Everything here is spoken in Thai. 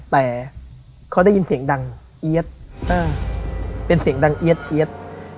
แต่เขาได้ยินเสียงดังเอี๊ยดเป็นเสียงดังเอี๊ยด